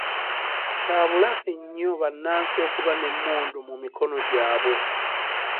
Kyabulabe nnyo bannansi okuba n'emmundu mu mikono gyabwe.